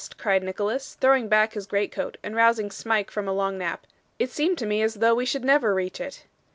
cried Nicholas, throwing back his greatcoat and rousing Smike from a long nap. 'It seemed to me as though we should never reach it.